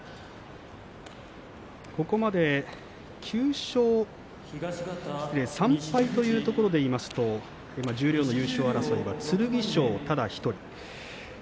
ここまで９勝３敗というところでいうと十両の優勝争いは剣翔ただ１人。